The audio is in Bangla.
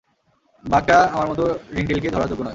বাঘটা আমার মতো রিংটেইলকে ধরার যোগ্য নয়।